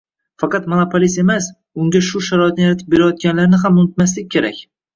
faqat monopolist emas, unga shu sharoitni yaratib berayotganlarni ham unutmaslik kerak.